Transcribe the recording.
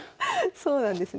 そうなんですね。